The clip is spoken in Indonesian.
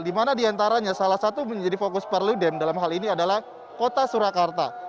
di mana diantaranya salah satu menjadi fokus perludem dalam hal ini adalah kota surakarta